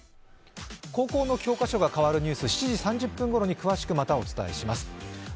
高校の教科書が変わるニュース、７時３０分頃に詳しくお伝えします。